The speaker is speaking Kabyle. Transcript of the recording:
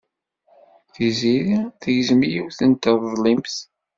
Tiziri tegzem yiwet n treḍlimt.